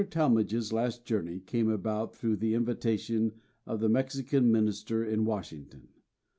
Talmage's last journey came about through the invitation of the Mexican minister in Washington.